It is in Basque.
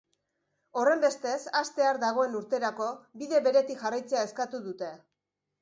Horrenbestez, hastear dagoen urterako bide beretik jarraitzea eskatu dute.